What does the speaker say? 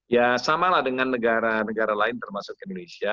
ya samalah dengan negara negara lain termasuk indonesia